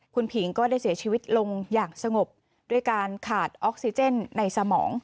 คุณผิงก็ได้เสียชีวิตลงอย่างสงบด้วยการขาดออกซิเจนในสมอง